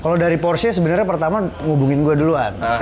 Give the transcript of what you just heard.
kalau dari porsche sebenarnya pertama hubungin gue duluan